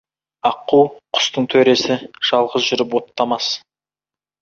Аққу — құстың төресі, жалғыз жүріп оттамас.